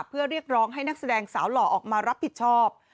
เพื่อเรียกร้องให้นักแสดงสาวหล่อออกมารับผิดชอบ